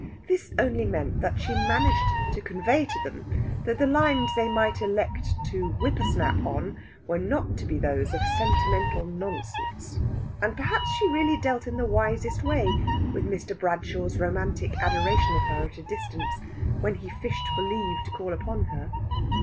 This only meant that she managed to convey to them that the lines they might elect to whippersnap on were not to be those of sentimental nonsense. And perhaps she really dealt in the wisest way with Mr. Bradshaw's romantic adoration of her at a distance when he fished for leave to call upon her.